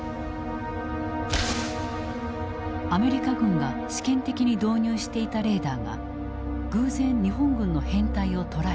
アメリカ軍が試験的に導入していたレーダーが偶然日本軍の編隊を捉えた。